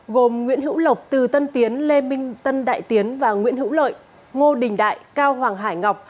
gồm nguyễn hữu lộc từ tân tiến lê minh tân đại tiến và nguyễn hữu lợi ngô đình đại cao hoàng hải ngọc